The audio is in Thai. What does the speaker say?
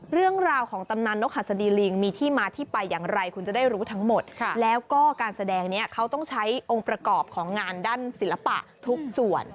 เรื่องราวของตำนานนกหัสดีลิงมีที่มาที่ไปอย่างไรคุณจะได้รู้ทั้งหมดแล้วก็การแสดงนี้เขาต้องใช้องค์ประกอบของงานด้านศิลปะทุกส่วน